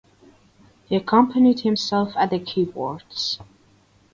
He accompanied himself at the keyboards.